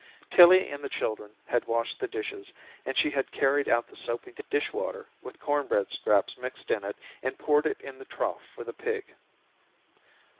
Tillie and the children had washed the dishes, and she had carried out the soapy dishwater with cornbread scraps mixed in it and poured it in the trough for the pig.